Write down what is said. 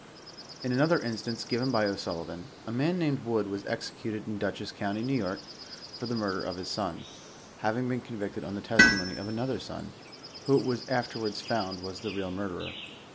In another instance given by O'SuUi ▼an, a man named Wood was executed in Dutchess county, N. Y., for the murder of his son, having been convicted on the testimony of another son, who it was afterwards found was the real murderer.